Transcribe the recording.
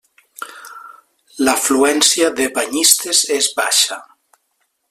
L'afluència de banyistes és baixa.